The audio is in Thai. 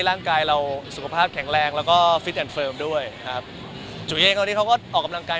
ร่างกายเราสุขภาพแข็งแรงแล้วก็ด้วยครับจุยเองเขาที่เขาก็ออกกำลังกาย